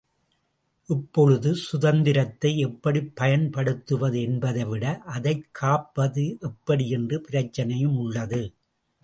இப்பொழுது சுதந்திரத்தை எப்படிப் பயன்படுத்துவது என்பதை விட அதைக் காப்பது எப்படி என்ற பிரச்சனையும் உள்ளது.